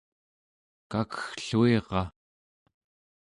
kakeggluira